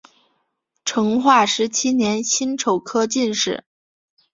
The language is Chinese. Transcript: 成化十七年辛丑科进士。